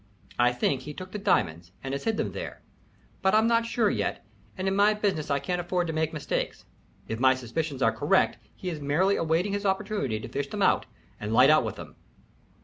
I think he took the diamonds and has hid them there, but I'm not sure yet, and in my business I can't afford to make mistakes. If my suspicions are correct, he is merely awaiting his opportunity to fish them out and light out with them."